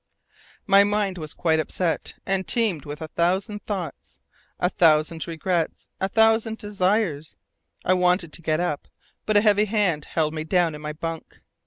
My mind was quite upset, and teemed with a thousand thoughts, a thousand regrets, a thousand desires! I wanted to get up, but a heavy hand held me down in my bunk!